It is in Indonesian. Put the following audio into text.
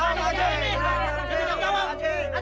untuk mendekatkan anda terhadap tu'ashat